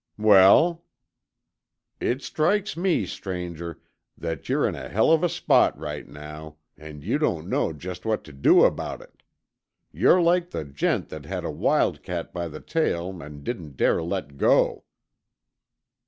"Well?" "It strikes me, stranger, that you're in a hell of a spot right now, and you don't know just what to do about it. You're like the gent that had a wildcat by the tail and didn't dare let go."